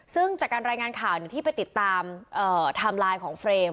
ซึ่งจากการรายงานข่าวที่ไปติดตามไทม์ไลน์ของเฟรม